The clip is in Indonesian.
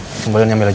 ya kembali ambil aja